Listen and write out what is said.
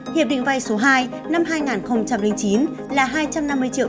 hiệp định vay số hai năm hai nghìn chín